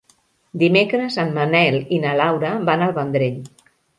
Dimecres en Manel i na Laura van al Vendrell.